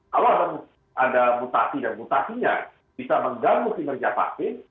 kalau ada mutasi dan mutasinya bisa mengganggu kinerja vaksin